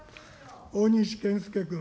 大西健介君。